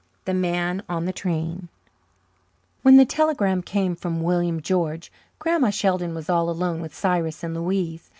The Man on the Train When the telegram came from William George, Grandma Sheldon was all alone with Cyrus and Louise.